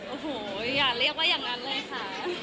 โอ้โหอย่าเรียกว่าอย่างนั้นเลยค่ะ